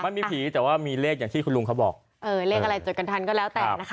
มันมีผีแต่ว่ามีเลขอย่างที่คุณลุงเขาบอกเออเลขอะไรจดกันทันก็แล้วแต่นะคะ